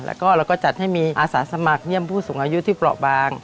แล้วก็เราก็จัดให้มีอาสาสมัครเยี่ยมผู้สูงอายุที่เปราะบาง